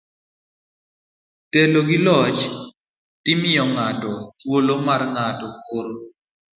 telo gi loch ti miyo ng'ato thuolo mar ng'ato koro